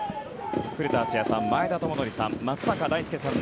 古田敦也さん、前田智徳さん